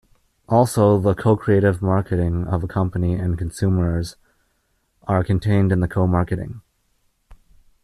Also the Co-creative marketing of a company and consumers are contained in the co-marketing.